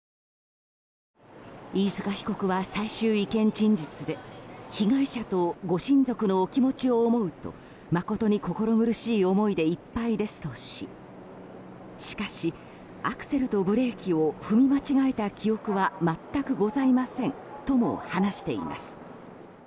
飯塚被告は最終意見陳述で被害者とご親族のお気持ちを思うと誠に心苦しい思いでいっぱいですとししかし、アクセルとブレーキを踏み間違えた記憶は全くございませんとも話しています。